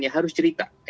ya harus cerita